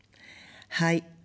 はい。